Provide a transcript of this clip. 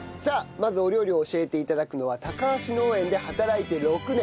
まずお料理を教えて頂くのは高橋農園で働いて６年